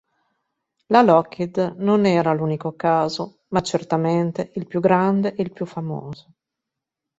La Lockheed non era l'unico caso, ma certamente il più grande e più famoso.